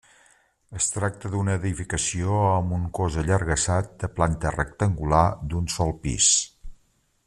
Es tracta d'una edificació amb un cos allargassat de planta rectangular, d'un sol pis.